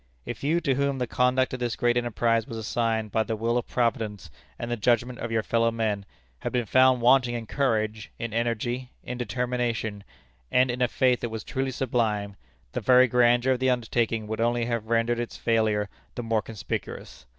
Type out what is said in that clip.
If you, to whom the conduct of this great enterprise was assigned by the will of Providence and the judgment of your fellow men, had been found wanting in courage, in energy, in determination, and in a faith that was truly sublime, the very grandeur of the undertaking would only have rendered its failure the more conspicuous.